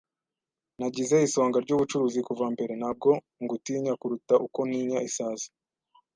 Nagize isonga ryubucuruzi kuva mbere; Ntabwo ngutinya kuruta uko ntinya isazi.